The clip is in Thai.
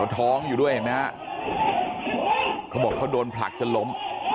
ท้องอยู่ด้วยเห็นไหมฮะเขาบอกเขาโดนผลักจนล้ม